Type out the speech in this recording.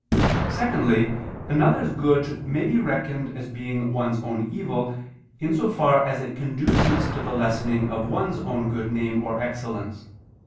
Secondly, another's good may be reckoned as being one's own evil, in so far as it conduces to the lessening of one's own good name or excellence.